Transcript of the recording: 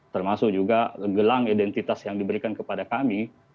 termasuk juga gelang identitas yang diberikan kepada kami